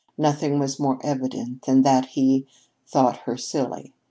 Nothing was more evident than that he thought her silly.